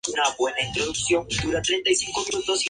Dicho proyecto quedó descartado finalmente.